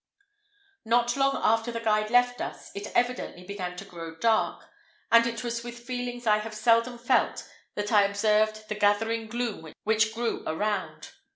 Not long after the guide left us, it evidently began to grow dark, and it was with feelings I have seldom felt that I observed the gathering gloom which grew around.